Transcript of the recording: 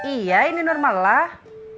iya ini normal lah